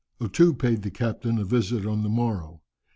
O Too paid the captain a visit on the morrow.